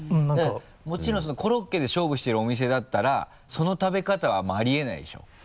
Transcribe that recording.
もちろんコロッケで勝負してるお店だったらその食べ方はもうあり得ないでしょ？